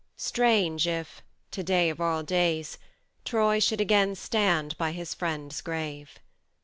Strange if, to day of all days, Troy should again stand by his friend's grave.